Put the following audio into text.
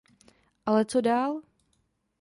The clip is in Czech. Ale co dál?